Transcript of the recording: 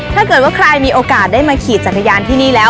ถ้าเกิดว่าใครมีโอกาสได้มาขี่จักรยานที่นี่แล้ว